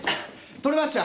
撮れました！